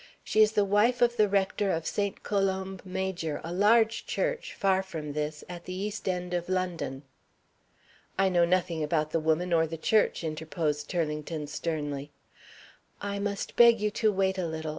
She is the wife of the rector of St. Columb Major a large church, far from this at the East End of London." "I know nothing about the woman or the church," interposed Turlington, sternly. "I must beg you to wait a little.